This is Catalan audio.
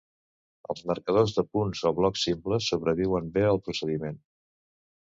Els marcadors de punts o blocs simples sobreviuen bé el procediment.